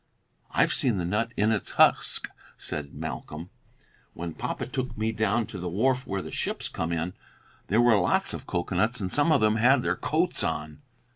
"I've seen the nut in its husk," said Malcolm, "when papa took me down to the wharf where the ships come in. There were lots of cocoanuts, and some of 'em had their coats on."